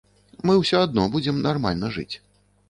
Мы ўсё адно будзем нармальна жыць.